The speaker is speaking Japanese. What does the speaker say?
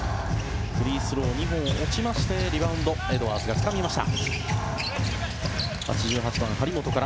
フリースロー２本落ちましてリバウンド、エドワーズがつかみました。